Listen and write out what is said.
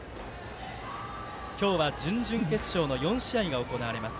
今日は準々決勝の４試合が行われます。